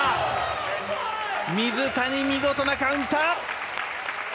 水谷、見事なカウンター！